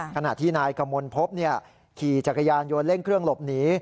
ขณะที่นายกมลพบขี่จักรยานยนต์เร่งเครื่องหลบหนี